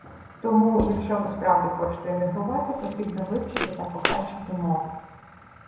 Тому, якщо ви справді хочете емігрувати, потрібно вивчити та покращити мову